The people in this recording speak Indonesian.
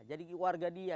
jadi warga dia